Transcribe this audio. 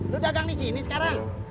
lu dagang di sini sekarang